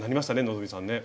希さんね。